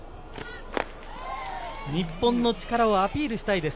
日本の力をアピールしたいです。